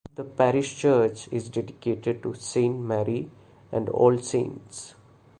The parish church is dedicated to Saint Mary and All Saints.